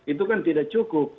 itu kan tidak cukup